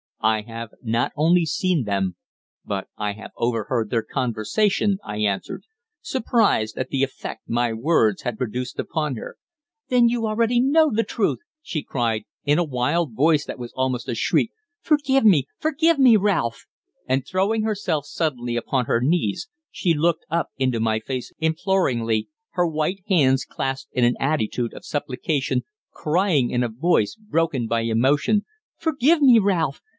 "I have not only seen them, but I have overheard their conversation," I answered, surprised at the effect my words had produced upon her. "Then you already know the truth!" she cried, in a wild voice that was almost a shriek. "Forgive me forgive me, Ralph!" And throwing herself suddenly upon her knees she looked up into my face imploringly, her white hands clasped in an attitude of supplication, crying in a voice broken by emotion: "Forgive me, Ralph!